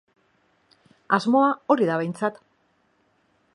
Asmoa hori da behintzat!